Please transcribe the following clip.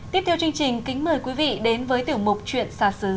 tiếp theo chương trình kính mời quý vị đến với tiểu mục chuyện xa xứ